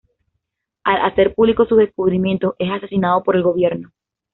Al hacer público sus descubrimientos es asesinado por el gobierno.